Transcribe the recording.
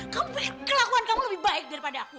kamu pengen kelakuan kamu lebih baik daripada aku